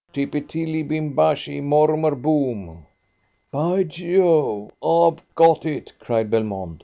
"Tippy Tilly Bimbashi Mormer Boum!" "By Jove, I've got it!" cried Belmont.